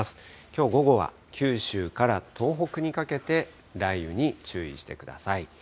きょう午後は九州から東北にかけて、雷雨に注意してください。